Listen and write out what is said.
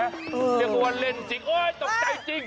เรียกว่าเล่นจริงโอ๊ยตกใจจริง